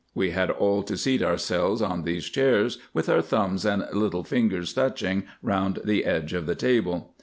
We had all to seat ourselves on these chairs, with our thumbs and little fingers touching round the edge of the table.